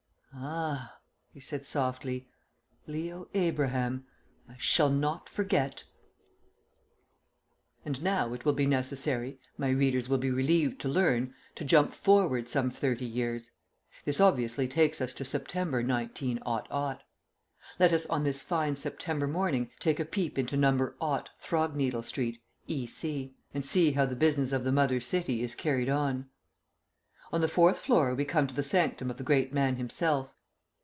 "Ah!" he said softly. "Leo Abraham! I shall not forget!" ..... And now it will be necessary (my readers will be relieved to learn) to jump forward some thirty years. This obviously takes us to September 19 . Let us on this fine September morning take a peep into "No. Throgneedle Street, E.C.," and see how the business of the mother city is carried on. On the fourth floor we come to the sanctum of the great man himself.